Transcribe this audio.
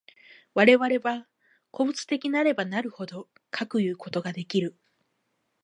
我々が個物的なればなるほど、かくいうことができる。